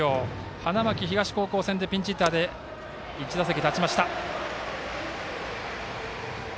花巻東高校戦ではピンチヒッターで１打席、立ちました。